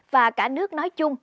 và cả nước nói chung